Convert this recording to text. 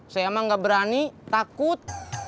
saya emang gak berani takut